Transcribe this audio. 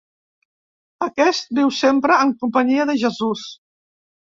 Aquest viu sempre en companyia de Jesús.